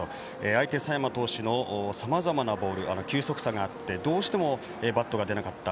相手佐山投手のさまざまなボール球速差があってどうしてもバットが出なかった。